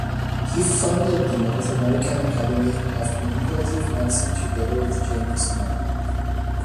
He founded the North American Academy of Manipulative Medicine together with James Mennell.